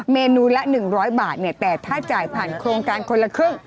เมนูละ๑๐๐บาทเนี่ยแต่ถ้าจ่ายผ่านโครงการคนละครึ่ง